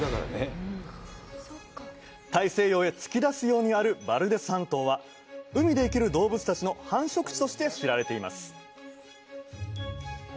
大西洋へ突き出すようにあるバルデス半島は海で生きる動物たちの繁殖地として知られています